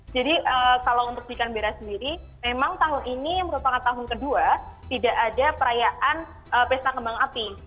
jadi kalau untuk di canberra sendiri memang tahun ini merupakan tahun kedua tidak ada perayaan pesta kembang api